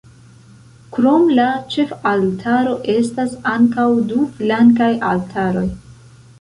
Krom la ĉefaltaro estas ankaŭ du flankaj altaroj.